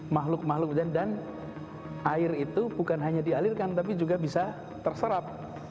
makhluk makhluk dan air itu bukan hanya dialirkan tapi juga bisa terserap